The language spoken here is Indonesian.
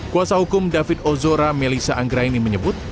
kuasa hukum david ozora melisa anggraini menyebut